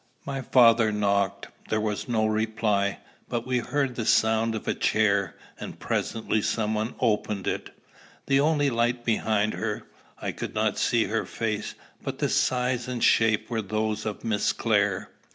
My father knocked. There was no reply; but we heard the sound of a chair, and presently some one opened it. The only light being behind her, I could not see her face, but the size and shape were those of Miss Clare.